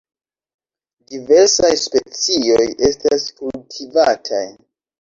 Diversaj specioj estas kultivataj.